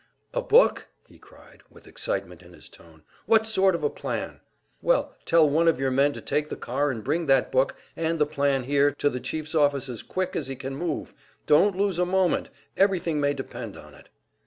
"A book?" he cried, with excitement in his tone. "What sort of a plan? Well, tell one of your men to take the car and bring that book and the plan here to the chief's office as quick as he can move; don't lose a moment, everything may depend on it."